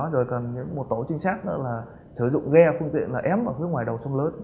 rồi cần một tổ tinh sát nữa là sử dụng ghe phương tiện là ém vào phía ngoài đầu sông lớn